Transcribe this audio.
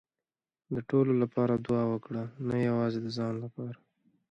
د ټولو لپاره دعا وکړه، نه یوازې د خپل ځان لپاره.